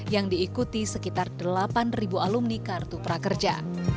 yang diikuti sekitar delapan alumni kartu prakerja